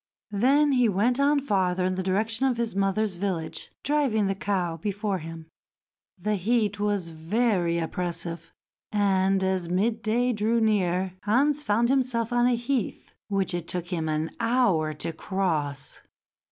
Then he went on farther in the direction of his mother's village, driving the cow before him. The heat was very oppressive, and, as midday drew near, Hans found himself on a heath which it took him an hour to cross.